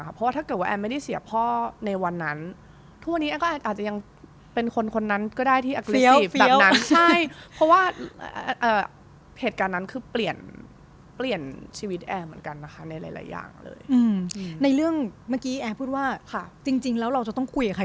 ฮึในเรื่องเราก็ต้องคุยกับคนไหนสักคนในทั้งเวลาเราเสียดใจ